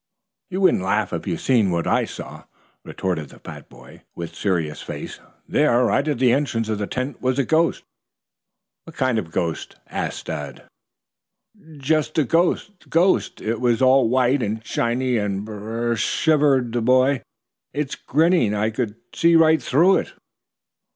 "You wouldn't laugh if you'd seen what I saw" retorted the fat boy, with serious face. "There, right at the entrance of the tent, was a ghost!" "What kind of a ghost?" asked Dad. "Just a ghost ghost. It was all white and shiny and br r r r!" shivered the boy. "It grinning. I could see right through it!"